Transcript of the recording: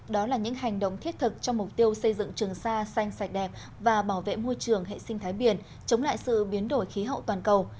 đó là những hành động thiết thực cho mục tiêu xây dựng trường sa xanh sạch đẹp và bảo vệ môi trường hệ sinh thái biển chống lại sự biến đổi khí hậu toàn cầu